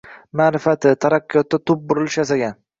Maʼrifati, taraqqiyotida tub burilish yasagan